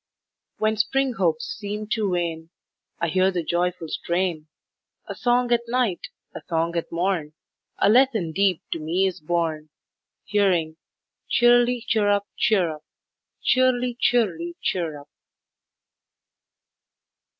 "When spring hopes seem to wane, I hear the joyful strain A song at night, a song at morn, A lesson deep to me is borne, Hearing, 'Cheerily, Cheer up, cheer up; Cheerily, cheerily, Cheer up.'"